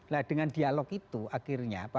nah dengan dialog itu akhirnya